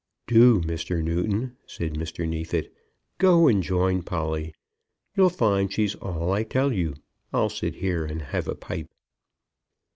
"Do, Mr. Newton," said Mr. Neefit; "go and join Polly. You'll find she's all I tell you. I'll sit here and have a pipe."